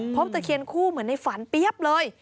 ตะเคียนคู่เหมือนในฝันเปี๊ยบเลย